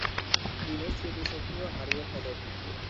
তিনি স্মৃতিশক্তিও হারিয়ে ফেলেন।